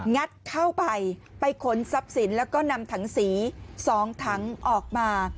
งัดเข้าไปไปขนทรัพย์สินแล้วก็นำถังสี๒ถังออกมา